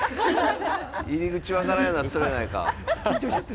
入り口わからんようなってるやないか。